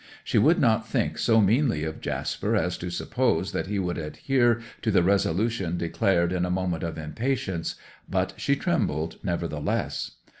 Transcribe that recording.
She would not think so meanly of Jasper as to suppose that he would adhere to the resolution declared in a moment of impatience; but she trembled, nevertheless.